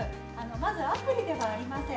まずアプリではありません。